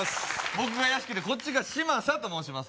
僕が屋敷でこっちが嶋佐と申します